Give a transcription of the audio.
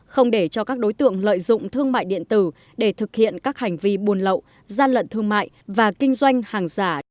không để cho các đối tượng lợi dụng thương mại điện tử để thực hiện các hành vi buôn lậu gian lận thương mại và kinh doanh hàng giả